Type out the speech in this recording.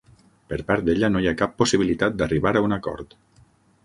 Per part d'ella, no hi ha cap possibilitat d'arribar a un acord.